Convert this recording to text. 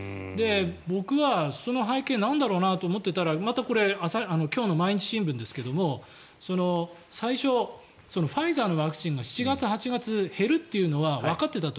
僕はその背景なんだろうな？と思ってたらまたこれ今日の毎日新聞ですけど最初、ファイザーのワクチンが７月、８月に減るというのはわかっていたと。